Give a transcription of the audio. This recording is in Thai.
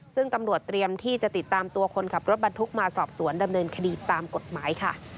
ซึ่งตำรวจเตรียมที่จะติดตามตัวคนขับรถบรรทุกมาสอบสวนดำเนินคดีตามกฎหมายค่ะ